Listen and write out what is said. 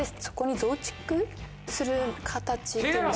そこに増築する形で。